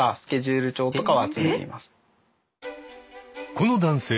この男性